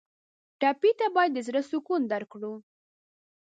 ټپي ته باید د زړه سکون درکړو.